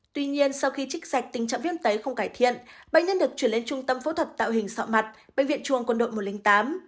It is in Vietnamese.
tuy nhiên sau khi trích sạch tình trạng viêm tấy không cải thiện bệnh nhân được chuyển lên trung tâm phẫu thuật tạo hình sọ mặt bệnh viện chuồng quân đội một trăm linh tám